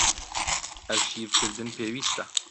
ئەرشیڤکردن پێویستە.